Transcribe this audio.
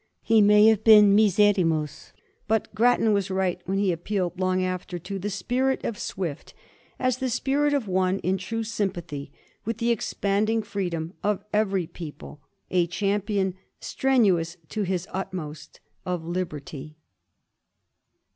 He may have been " miserrimus," but Grattan was right when he appealed long after to the " spirit of Swift " as the spirit of one in true sympathy with the expanding freedom of every peo ple — a champion, strenuous to his uttermost, of liberty.